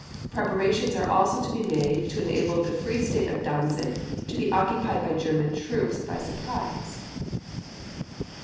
. Preparations are also to be made to enable the Free State of Danzig to be occupied by German troops by surprise."